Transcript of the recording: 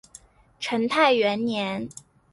成泰元年。